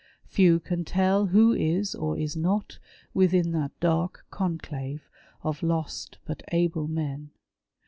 Few can tell who is or is not within that dark conclave of lost but able men.